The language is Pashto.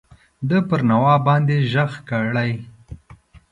ده پر نواب باندي ږغ کړی.